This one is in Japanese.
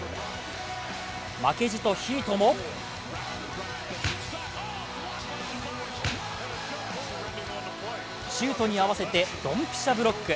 負けじとヒートもシュートに合わせてどんぴしゃブロック。